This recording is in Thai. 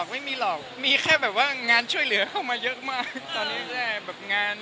ไม่มีหรอกมีงานช่วยเหลือมาเยอะมาก